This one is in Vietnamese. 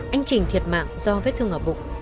anh chỉnh thiệt mạng do vết thương ở bụng